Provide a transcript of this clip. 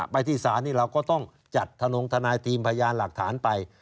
ไปที่ศาลนี่เราก็ต้องจัดทนงทนายทีมพยานหลักฐานไป